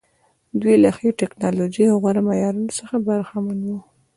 دوی له ښې ټکنالوژۍ او غوره معیارونو څخه برخمن وو.